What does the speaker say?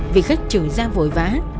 vì khách trở ra vội vã